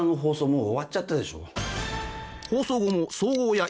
もう終わっちゃったでしょ？